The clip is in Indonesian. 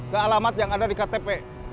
ke alamat yang ada di ktp